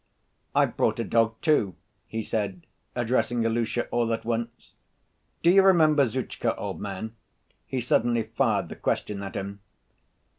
I've brought a dog, too," he said, addressing Ilusha all at once. "Do you remember Zhutchka, old man?" he suddenly fired the question at him.